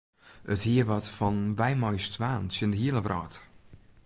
It hie wat fan wy mei ús twaen tsjin de hiele wrâld.